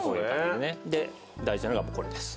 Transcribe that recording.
で大事なのがこれです。